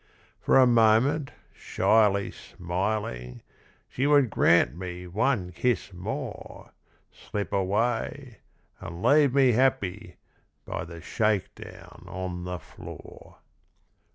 For a moment shyly smiling, She would grant me one kiss more Slip away and leave me happy By the shake down on the floor.